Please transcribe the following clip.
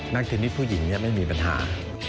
เทนนิสผู้หญิงไม่มีปัญหา